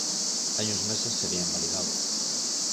Hai uns meses sería invalidado.